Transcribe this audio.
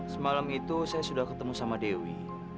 semalam itu saya sudah ketemu sama dewi